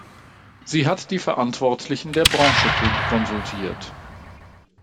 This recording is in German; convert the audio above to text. Sie hat die Verantwortlichen der Branche konsultiert.